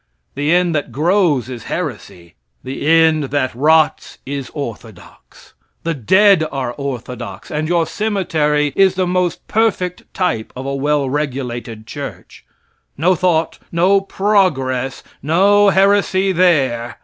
The end that grows is heresy; the end that rots is orthodox. The dead are orthodox, and your cemetery is the most perfect type of a well regulated church. No thought, no progress, no heresy there.